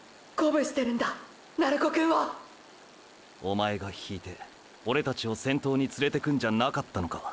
おまえが引いてオレたちを先頭に連れてくんじゃなかったのか。